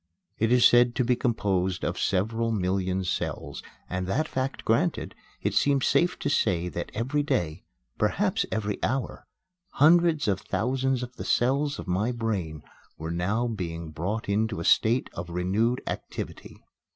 It is said to be composed of several million cells; and, that fact granted, it seems safe to say that every day, perhaps every hour, hundreds of thousands of the cells of my brain were now being brought into a state of renewed activity.